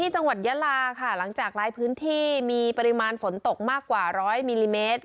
จังหวัดยาลาค่ะหลังจากหลายพื้นที่มีปริมาณฝนตกมากกว่า๑๐๐มิลลิเมตร